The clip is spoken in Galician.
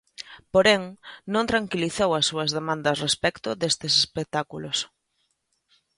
Porén, non tranquilizou as súas demandas respecto deste espectáculos.